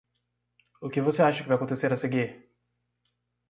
O que você acha que vai acontecer a seguir?